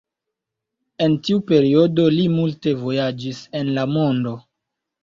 En tiu periodo li multe vojaĝis en la mondo.